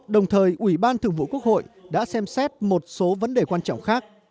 đồng thời ủy ban thường vụ quốc hội đã xem xét một số vấn đề quan trọng khác